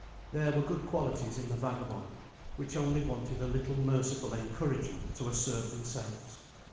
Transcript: There were good qualities in the vagabond, which only wanted a little merciful encouragement to assert themselves.